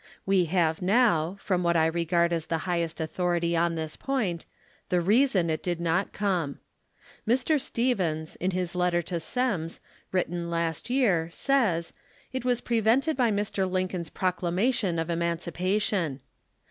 "We have now, from what I regard as the highest authority on this point, the reason it did not come. Mr. Stephens, in his letter to Semmes, written last 3'ear, says, it was prevented by Mr. Lincoln's proclamation of emancipation.